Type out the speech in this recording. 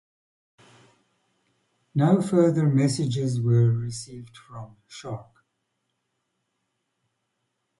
No further messages were received from "Shark".